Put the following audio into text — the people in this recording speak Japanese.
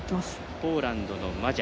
ポーランドのマジャ。